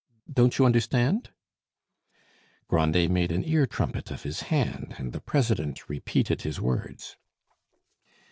Don't you understand?" Grandet made an ear trumpet of his hand, and the president repeated his words.